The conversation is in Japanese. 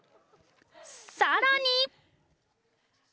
さらに。